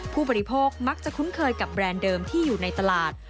ผู้บริโภคมักจะคุ้นเคยกับแบรนด์เดิมที่อยู่ในตลาด